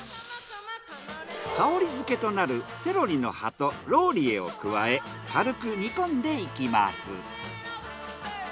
香りづけとなるセロリの葉とローリエを加え軽く煮込んでいきます。